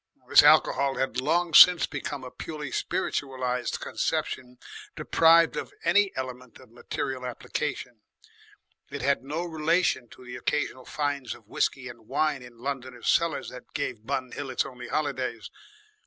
This Alcohol had long since become a purely spiritualised conception deprived of any element of material application; it had no relation to the occasional finds of whiskey and wine in Londoners' cellars that gave Bun Hill its only holidays.